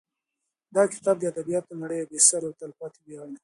دا کتاب د ادبیاتو د نړۍ یو بې سارې او تلپاتې ویاړ دی.